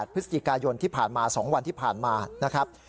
พฤศจิกายนที่ผ่านมา๒วันที่ผ่านมานะครับ